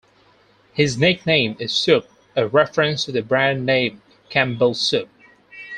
His nickname is "Soup", a reference to the brand name Campbell's Soup.